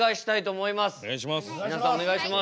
お願いします。